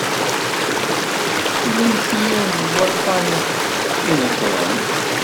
Tlamt yiwen n waḍḍan ineṭṭḍen.